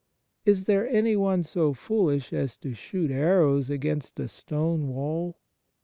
Is there anyone so foolish as to shoot arrows against a stone wall